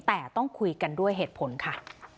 แต่ต้องคุยกันด้วยเหตุผลค่ะ